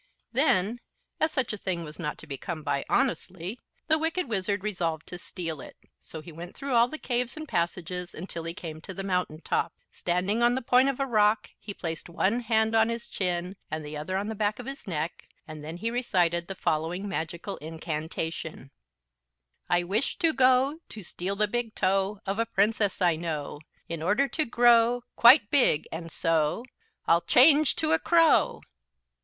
Then, as such a thing was not to be come by honestly, the Wicked Wizard resolved to steal it. So he went through all the caves and passages until he came to the mountain top. Standing on the point of a rock he placed one hand on his chin and the other on the back of his neck, and then recited the following magical incantation: "I wish to go To steal the big toe Of a princess I know, In order to grow Quite big. And so _I'll change, to a crow!"